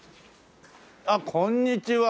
あっこんにちは。